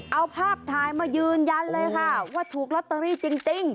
เอาภาพถ่ายมายืนยันเลยค่ะว่าถูกลอตเตอรี่จริง